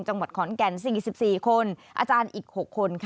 จังหวัดขอนแก่น๔๔คนอาจารย์อีก๖คน